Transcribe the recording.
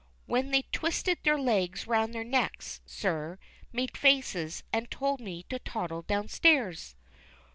When they twisted their legs round their necks, sir, made faces, and told me to toddle downstairs!